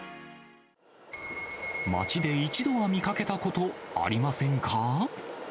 街で一度は見かけたこと、ありませんか。